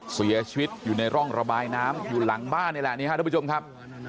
เสียชีวิตอยู่ในร่องระบายน้ำอยู่หลังบ้านนี่แหละนี่ครับทุกผู้ชมครับ